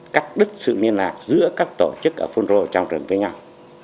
cắt đứt sự liên lạc giữa các tổ chức ở phun rô trong trường với nhau